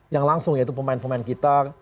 yang langsung yaitu pemain pemain kita